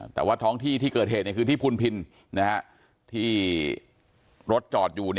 แต่ว่าท้องที่ที่เกิดเหตุคือที่พุนพินที่รถจอดอยู่